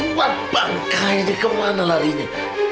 buat bangkang ini kemana larinya